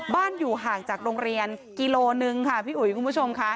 อยู่ห่างจากโรงเรียนกิโลนึงค่ะพี่อุ๋ยคุณผู้ชมค่ะ